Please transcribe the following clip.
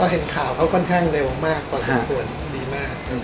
เห็นข่าวเขาค่อนข้างเร็วมากพอสมควรดีมาก